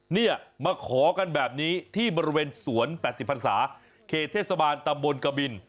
เนี่ยมาขอกันแบบนี้ที่บริเวณสวน๘๐พันศาเขตเทศบาลตำบลกบิน